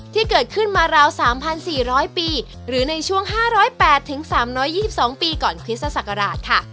ที่เกิดขึ้นมาราว๓๔๐๐ปีหรือในช่วง๕๐๘๓๒๒ปีก่อนคริสต์ศักราชค่ะ